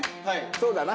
そうだな。